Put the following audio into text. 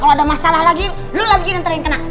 kalau ada masalah lagi lu lagi nanti nanti yang kena